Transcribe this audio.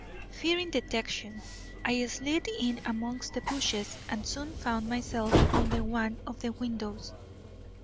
Fearing detection, I slid in amongst the bushes and soon found myself under one of the windows.